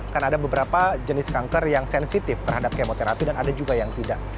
karena ada beberapa jenis kanker yang sensitif terhadap kemoterapi dan ada juga yang tidak